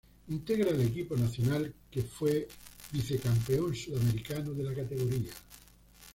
Integra el equipo Nacional que fue Vice Campeón Sud Americano de la categoría.